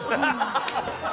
ハハハハハ！